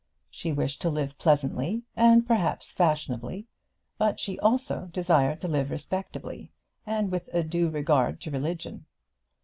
She wished to live pleasantly, and perhaps fashionably; but she also desired to live respectably, and with a due regard to religion.